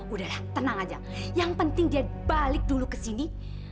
udah lah tenang aja yang penting dia balik dulu kesini